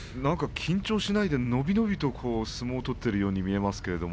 緊張しないで伸び伸びと相撲を取っているように見えますけれども。